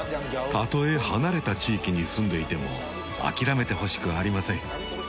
たとえ離れた地域に住んでいても諦めてほしくありません。